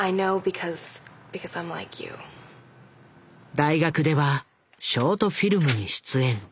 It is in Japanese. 大学ではショートフィルムに出演。